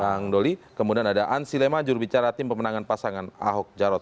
bang doli kemudian ada ansi lema jurubicara tim pemenangan pasangan ahok jarot